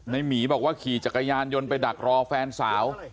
หมีบอกว่าขี่จักรยานยนต์ไปดักรอแฟนสาว